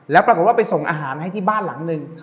แล้วปรากฏว่าไปส่งอาหารให้ที่บ้านหลังหนึ่ง